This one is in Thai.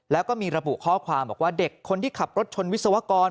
แล้วก็มีระบุข้อความบอกว่าเด็กคนที่ขับรถชนวิศวกร